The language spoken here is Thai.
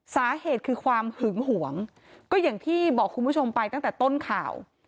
สาเหตุคือความหึงหวงก็อย่างที่บอกคุณผู้ชมไปตั้งแต่ต้นข่าว